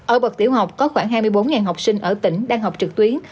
ở bậc tiểu học có khoảng hai mươi bốn học sinh ở tỉnh đang học trực tuyến